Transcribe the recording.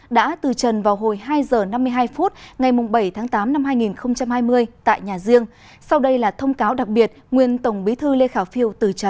đã từ trần vào hồi hai h năm mươi hai phút ngày bảy tháng tám năm hai nghìn hai mươi tại nhà riêng sau đây là thông cáo đặc biệt nguyên tổng bí thư lê khả phiêu từ trần